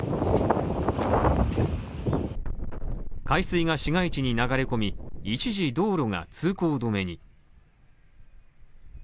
海水が市街地に流れ込み、一時、道路が通行止めに。